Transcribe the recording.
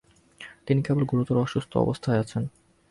তিনি কেবল গুরুতর অসুস্থ অবস্থায় আছেন।